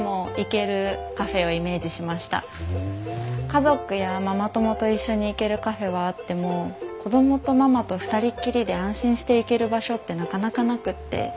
家族やママ友と一緒に行けるカフェはあっても子供とママと二人っきりで安心して行ける場所ってなかなかなくって。